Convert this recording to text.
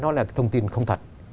nó là cái thông tin không thật